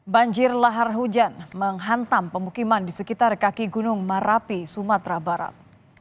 banjir lahar hujan menghantam pemukiman di sekitar kaki gunung marapi sumatera barat